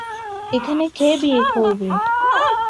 এখানে কে বিয়ে করবে?